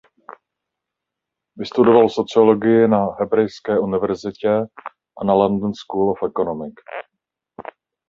Vystudoval sociologii na Hebrejské univerzitě a na London School of Economics.